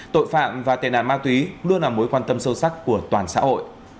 tội phạm và tệ nạn ma túy luôn là mối quan tâm sâu sắc của toàn xã hội